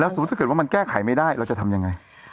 สมมุติถ้าเกิดว่ามันแก้ไขไม่ได้เราจะทำยังไง